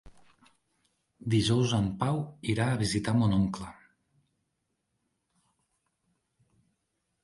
Dijous en Pau irà a visitar mon oncle.